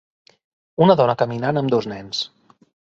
Un dona caminant amb dos nens.